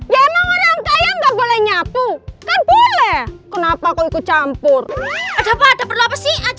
ya emang orang kaya nggak boleh nyapu kan boleh